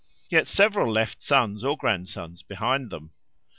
Yet several left sons or grandsons behind them.